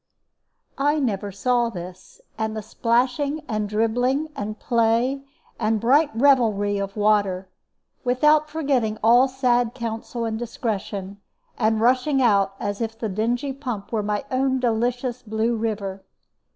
I never saw this, and the splashing and dribbling and play and bright revelry of water, without forgetting all sad counsel and discretion, and rushing out as if the dingy pump were my own delicious Blue River.